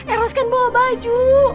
eros kan bawa baju